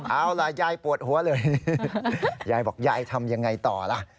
เอาล่ะยายปวดหัวเลยยายบอกยายทำยังไงต่อล่ะ